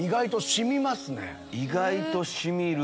意外と染みる？